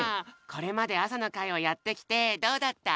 これまであさのかいをやってきてどうだった？